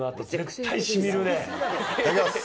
いただきます！